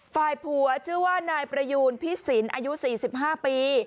ฝ่ายผัวชื่อว่านายประยูนพิศิลป์อายุ๔๕ปี